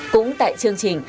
cũng tại chương trình